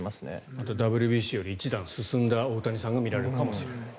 あと、ＷＢＣより一段進んだ大谷さんが見られるかもしれないと。